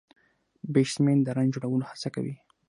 بيټسمېن د رن جوړولو هڅه کوي.